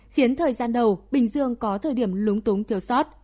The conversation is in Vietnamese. khiến thời gian đầu bình dương có thời điểm lúng túng thiếu sót